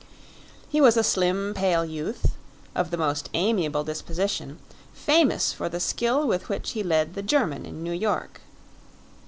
He was a slim, pale youth, of the most amiable disposition, famous for the skill with which he led the "German" in New York.